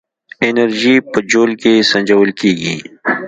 انرژي په جول کې سنجول کېږي.